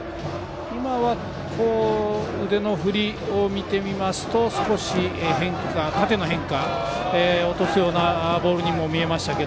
今は、腕の振りを見てみますと少し縦の変化、落とすようなボールにも見えました。